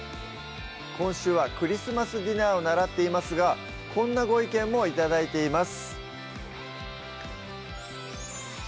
今週はクリスマスディナーを習っていますがこんなご意見も頂いています